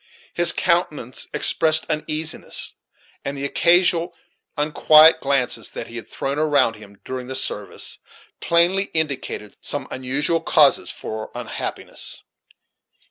His countenance expressed uneasiness, and the occasional unquiet glances that he had thrown around him during the service plainly indicated some unusual causes for unhappiness.